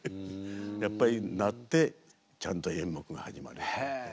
やっぱり鳴ってちゃんと演目が始まると。